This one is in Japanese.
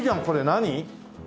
何？